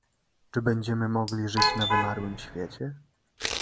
"Czy będziemy mogli żyć na wymarłym świecie?"